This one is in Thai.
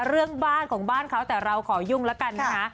เรื่องบ้านของบ้านเขาแต่เราขอยุ่งแล้วกันนะคะ